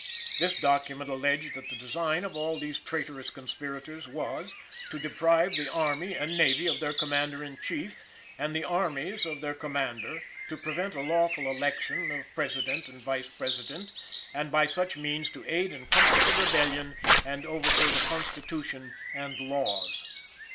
This document alleged that the design of all these traitorous conspirators was, to deprive the Army and Navy of their Commander in Chief and the armies of their Commander; to prevent a lawful election of President and Vice President; and by such means to aid and comfort the Rebellion and overthrow the Constitution and laws.